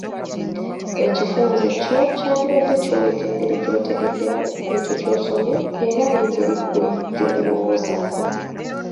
Ekifunze kyo kyandibadde kyoleka engeri gy'otegeddemu ekyo ky'osomye era n'engeri ggwe gy'obirowoozaako.